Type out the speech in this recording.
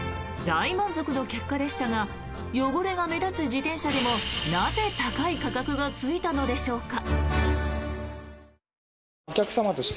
大満足の結果でしたが汚れが目立つ自転車でもなぜ高い価格がついたのでしょうか。